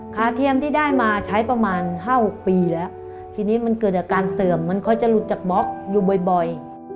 เทียมที่ได้มาใช้ประมาณห้าหกปีแล้วทีนี้มันเกิดอาการเสื่อมมันค่อยจะหลุดจากบล็อกอยู่บ่อย